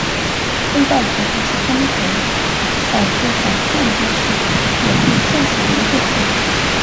二道河乡是中国陕西省汉中市勉县下辖的一个乡。